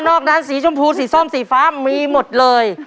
อกนั้นสีชมพูสีส้มสีฟ้ามีหมดเลย